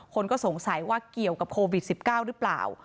คนก็สงสัยว่าเกี่ยวกับโควิด๑๙หรือเปล่า